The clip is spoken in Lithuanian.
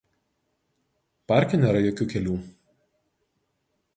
Parke nėra jokių kelių.